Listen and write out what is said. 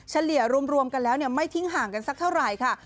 เฉลี่ยรวมกันแล้วไม่ทิ้งห่างกันสักเท่าไหร่ค่ะ